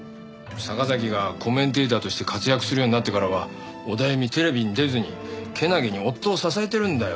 坂崎がコメンテーターとして活躍するようになってからはオダエミテレビに出ずにけなげに夫を支えてるんだよ。